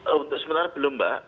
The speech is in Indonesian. untuk sebenarnya belum mbak